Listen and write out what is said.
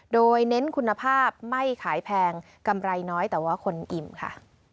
โดยเน้นคุณภาพไม่ขายแพงกำไรน้อยแต่ว่าคนอิ่มค่ะ